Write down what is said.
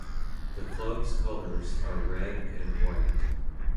The club's colors are red and white.